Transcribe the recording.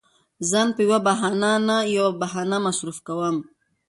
ځان په يوه بهانه نه يوه بهانه مصروف کوم.